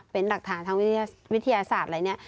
เป็นหลักฐานทางวิทยาศาสตร์อะไรเนี่ย